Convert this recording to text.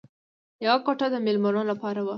یوه کوټه د مېلمنو لپاره وه